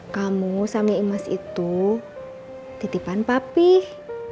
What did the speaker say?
kamu samia imas itu titipan papih